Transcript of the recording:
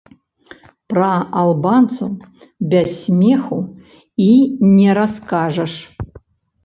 Пра албанцаў без смеху і не раскажаш.